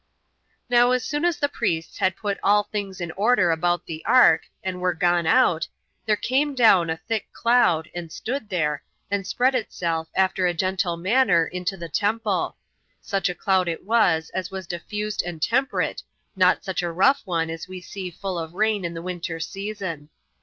2. Now as soon as the priests had put all things in order about the ark, and were gone out, there came down a thick cloud, and stood there, and spread itself, after a gentle manner, into the temple; such a cloud it was as was diffused and temperate, not such a rough one as we see full of rain in the winter season.